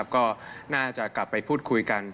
ก็น่าจะกลับไปพูดคุยกัน